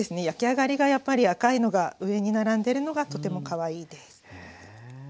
焼き上がりがやっぱり赤いのが上に並んでるのがとてもかわいいです。